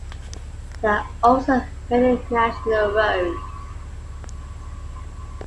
There are also many national roads.